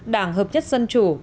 đảng hợp nhất dân chủ